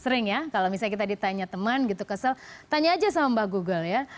sering ya kalau misalnya kita ditanya teman gitu kesel tanya aja sama mbah google ya